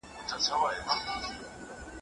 لومړنی استازی د بشریت لپاره ستره بیلګه وه.